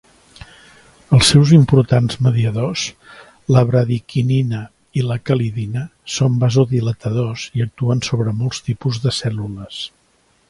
Els seus importants mediadors, la bradiquinina i la cal·lidina, són vasodilatadors i actuen sobre molts tipus de cèl·lules.